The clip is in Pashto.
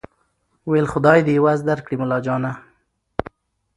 ویل خدای دي عوض درکړي ملاجانه